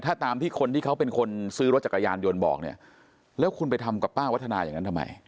ถ้าตามที่คนที่เขาเป็นคนซื้อรถจักรยานยนต์บอกเนี่ยแล้วคุณไปทำกับป้าวัฒนาอย่างนั้นทำไม